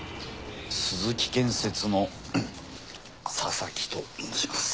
鈴木建設の佐々木と申します。